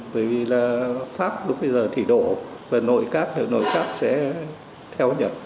bởi vì là pháp lúc bây giờ thỉ đổ và nội các thì nội các sẽ theo nhận